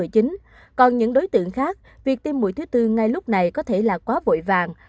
trong đối tượng khác việc tiêm mũi thứ bốn ngay lúc này có thể là quá bội vàng